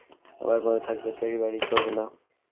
আমার কথা মানবে, তেড়িবেড়ি করবে না।